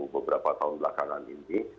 beberapa tahun belakangan ini